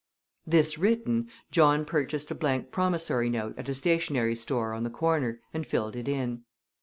This written, Jack purchased a blank promissory note at a stationery store on the corner and filled it in.